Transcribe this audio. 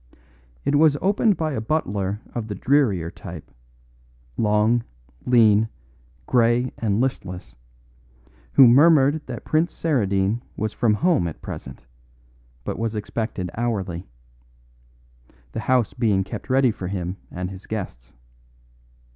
It was opened by a butler of the drearier type long, lean, grey and listless who murmured that Prince Saradine was from home at present, but was expected hourly; the house being kept ready for him and his guests.